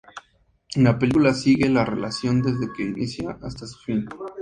La película sigue la relación desde que inicia hasta su fin.